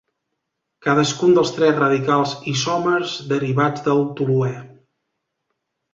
Cadascun dels tres radicals isòmers derivats del toluè.